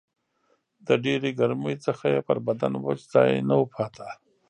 د ډېرې ګرمۍ څخه یې پر بدن وچ ځای نه و پاته